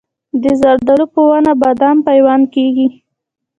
د زردالو په ونه بادام پیوند کیږي؟